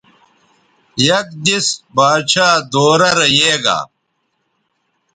یک دیس باچھا دورہ رے یے گا